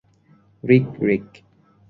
রিক, রিক।